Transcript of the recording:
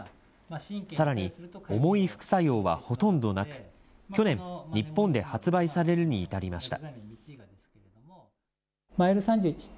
さらに、重い副作用はほとんどなく、去年、日本で発売されるに至りました。